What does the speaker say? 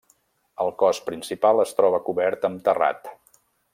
El cos principal es troba cobert amb terrat.